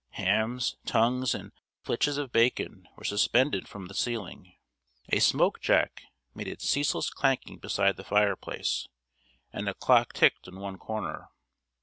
Hams, tongues, and flitches of bacon, were suspended from the ceiling; a smoke jack made its ceaseless clanking beside the fireplace, and a clock ticked in one corner.